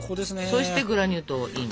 そしてグラニュー糖をイン。